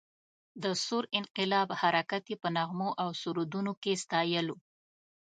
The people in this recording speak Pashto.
د ثور انقلاب حرکت یې په نغمو او سرودونو کې ستایلو.